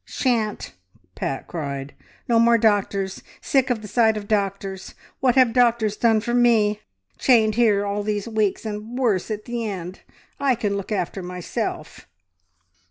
"Shan't!" Pat cried. "No more doctors! Sick of the sight of doctors! What have doctors done for me? Chained here all these weeks, and worse at the end! I can look after myself."